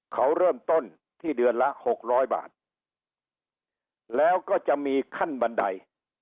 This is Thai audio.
เขาเริ่มต้นที่เดือนละหกร้อยบาทแล้วก็จะมีขั้นบันได